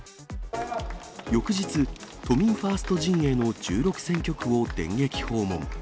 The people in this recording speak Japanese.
翌日、都民ファースト陣営の１６選挙区を電撃訪問。